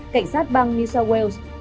cảnh sát bang new south wales